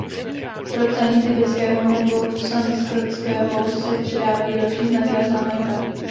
Pro psaní tibetského nebo sanskrtského se přidávají další znaky a znaménka.